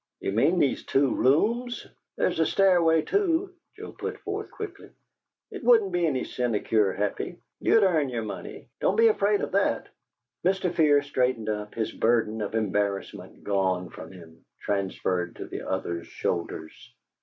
"You mean these two rooms?" "There's a stairway, too," Joe put forth, quickly. "It wouldn't be any sinecure, Happy. You'd earn your money; don't be afraid of that!" Mr. Fear straightened up, his burden of embarrassment gone from him, transferred to the other's shoulders.